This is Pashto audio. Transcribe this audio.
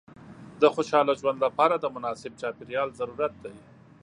د خوشحاله ژوند لپاره د مناسب چاپېریال ضرورت دی.